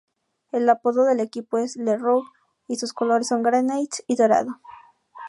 El apodo del equipo es "Le Rouge" y sus colores son granate y dorado.